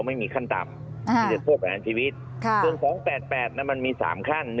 ไม่มีขั้นต่ำที่จะโทษประหารชีวิตส่วน๒๘๘มันมี๓ขั้น